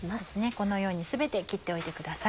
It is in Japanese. このように全て切っておいてください。